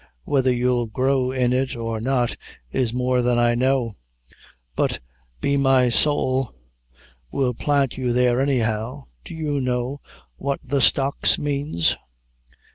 Whether you'll grow in it or not, is more than I know, but be me sowl, we'll plant you there any how. Do you know what the stocks manes?